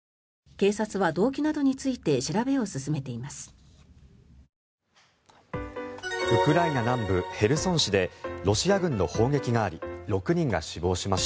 警察は動機などについて調べを進めています。